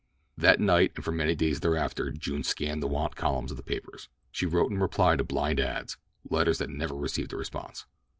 That night and for many days thereafter June scanned the want columns of the papers. She wrote in reply to blind ads—letters that never received a response.